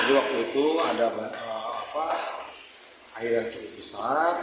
waktu itu ada air yang cukup besar